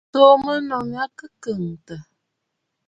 Tsùu mɔʼɔ nɨ̂ ànnù kɨ kɔʼɔtə̂.